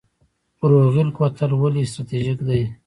بروغیل کوتل ولې استراتیژیک دی؟